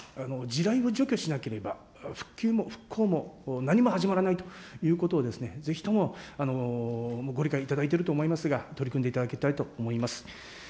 地雷を除去しなければ、復旧も復興も何も始まらないということをぜひともご理解いただいていると思いますが、取り組んでいただきたいと思います。